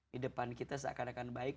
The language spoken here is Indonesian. di depan kita seakan akan baik